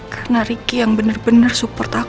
karena riki yang bener bener support aku